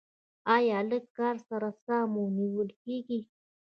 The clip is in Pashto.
ایا لږ کار سره ساه مو نیول کیږي؟